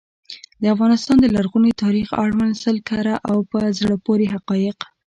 د افغانستان د لرغوني تاریخ اړوند سل کره او په زړه پوري حقایق.